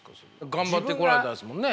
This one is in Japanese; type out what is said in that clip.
頑張ってこられたんですもんね。